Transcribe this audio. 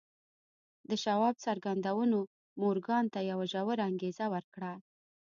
د شواب څرګندونو مورګان ته یوه ژوره انګېزه ورکړه